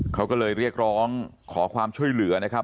เขาก็เลยเรียกร้องขอความช่วยเหลือนะครับ